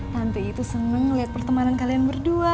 tante itu senang melihat pertemanan kalian berdua